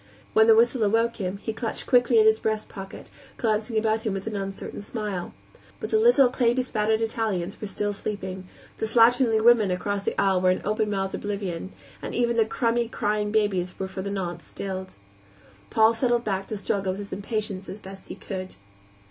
When the whistle awoke him, he clutched quickly at his breast pocket, glancing about him with an uncertain smile. But the little, clay bespattered Italians were still sleeping, the slatternly women across the aisle were in open mouthed oblivion, and even the crumby, crying babies were for the nonce stilled. Paul settled back to struggle with his impatience as best he could.